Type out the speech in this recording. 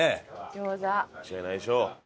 間違いないでしょう。